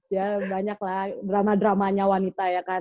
ya banyak lah drama dramanya wanita ya kan